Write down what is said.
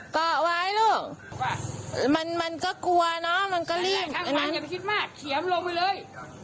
เกาะไว้ลูกมันมันก็กลัวเนาะมันก็รีบอย่าไปคิดมากเขียนมันลงไปเลย